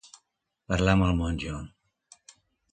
Parlar amb el monjo.